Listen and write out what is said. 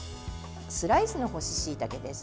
スライスの干ししいたけです。